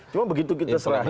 cuma begitu kita selahin